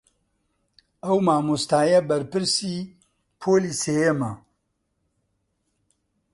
ئەو مامۆستایە بەرپرسی پۆلی سێیەمە.